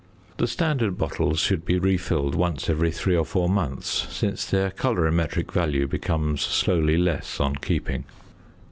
The standard bottles should be refilled once every three or four months, since their colorimetric value becomes slowly less on keeping.